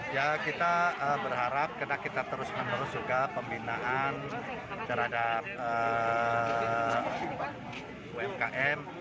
ya kita berharap karena kita terus menerus juga pembinaan terhadap umkm